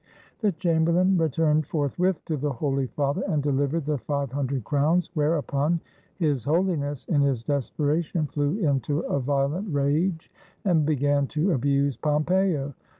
The chamberlain returned forthwith to the Holy Father, and delivered the five hundred crowns, where upon His Holiness, in his desperation, flew into a violent rage, and began to abuse Pompeo.